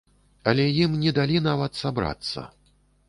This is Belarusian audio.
Але ім не далі нават сабрацца.